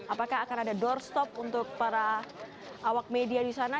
apakah akan ada doorstop untuk para awak media di sana